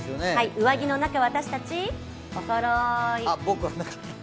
上着の中、私たちおそろい！